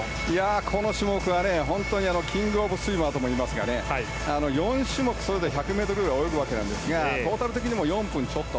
この種目は本当にキングオブスイマーともいいますが４種目そろえて１００ｍ泳ぐわけなんですがトータルでも４分ちょっと。